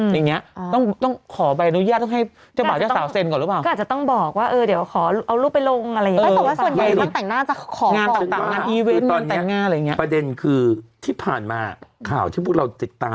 เห็นว่าไปกับฮัยแล้วจึงมึดอยู่ที่เจตนา